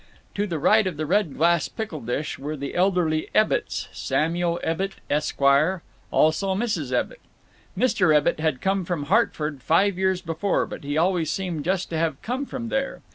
To the right of the red glass pickle dish were the elderly Ebbitts—Samuel Ebbitt, Esq., also Mrs. Ebbitt. Mr. Ebbitt had come from Hartford five years before, but he always seemed just to have come from there.